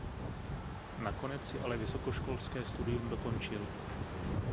Nakonec si ale vysokoškolské studium dokončil.